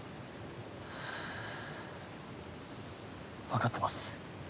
わかってます。